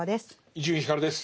伊集院光です。